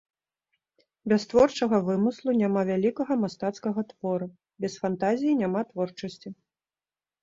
Без творчага вымыслу няма вялікага мастацкага твора, без фантазіі няма творчасці.